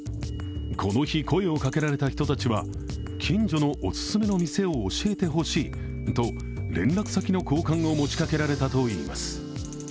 この日、声をかけられた人たちは近所のお勧めの店を教えてほしいと、連絡先の交換を持ちかけられたといいます。